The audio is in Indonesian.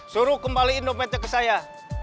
suruh kembaliin domestik ke saya